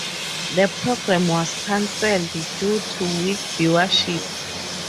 The program was canceled due to weak viewership.